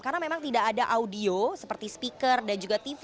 karena memang tidak ada audio seperti speaker dan juga tv